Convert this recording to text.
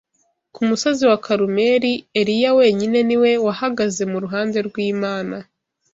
Ku musozi wa Karumeli, Eliya wenyine ni we wahagaze mu ruhande rw’Imana